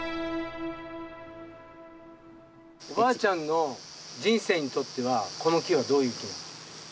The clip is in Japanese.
おばあちゃんの人生にとってはこの木はどういう。